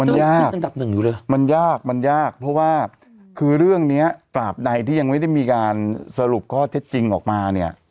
มันยากมันยากมันยากเพราะว่าคือเรื่องนี้กราบใดที่ยังไม่ได้มีการสรุปข้อเท็จจริงออกมาเนี่ย